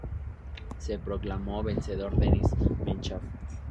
Se proclamó vencedor Denis Menchov.